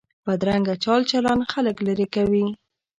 بدرنګه چال چلند خلک لرې کوي